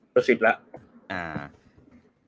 เบอร์๑๐แล้ว